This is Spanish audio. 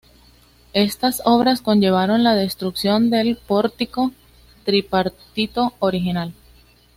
Estas obras conllevaron la destrucción del pórtico tripartito original.